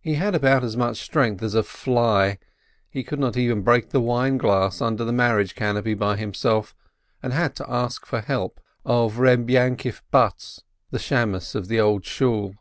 He had about as much strength as a fly, he could not even break the wine glass under the mar riage canopy by himself, and had to ask for help of Eeb Yainkef Butz, the beadle of the Old Shool.